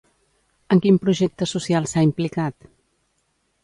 En quin projecte social s'ha implicat?